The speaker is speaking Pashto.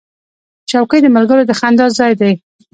چوکۍ د ملګرو د خندا ځای دی.